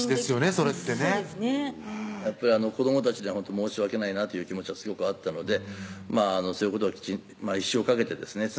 それって子どもたちには申し訳ないなという気持ちはすごくあったのでそういうことを一生かけてですね